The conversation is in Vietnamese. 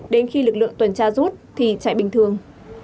đến khi lực lượng tuần tra rút thì chạy bình thường